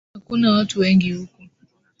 Hakuna watu wengi huku